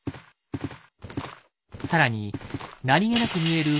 更に何気なく見える